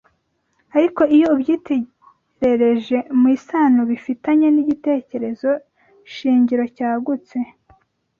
Ariko iyo ubyiterereje mu isano bifitanye n’igitekerezo shingiro cyagutse